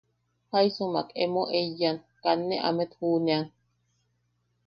Jaisumak emo eiyan, kat ne amet juʼunean...